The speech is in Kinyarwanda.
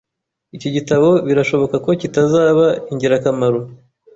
Iki gitabo birashoboka ko kitazaba ingirakamaro.